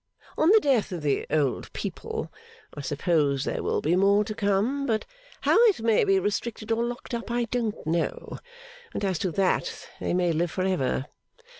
On the death of the old people, I suppose there will be more to come; but how it may be restricted or locked up, I don't know. And as to that, they may live for ever.